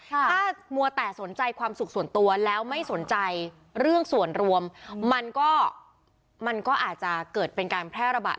ถ้ามัวแต่สนใจความสุขส่วนตัวแล้วไม่สนใจเรื่องส่วนรวมมันก็มันก็อาจจะเกิดเป็นการแพร่ระบาด